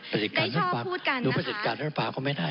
ประเด็จการได้ชอบพูดกันนะคะดูประเด็จการรัฐสภาเขาไม่ได้